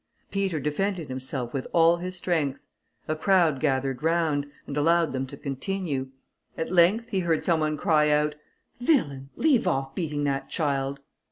Peter defended himself with all his strength. A crowd gathered round, and allowed them to continue. At length he heard some one cry out, "Villain, leave off beating that child!"